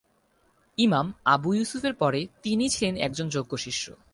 ইমাম আবু ইউসুফের পরে তিনিই ছিলেন একজন যোগ্য শিষ্য।